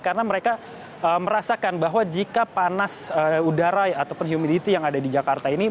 karena mereka merasakan bahwa jika panas udara ataupun humidity yang ada di jakarta ini